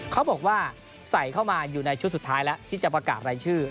เขาบอกว่าใส่เข้ามาอยู่ในชุดสุดท้ายแล้วที่จะประกาศรายชื่อ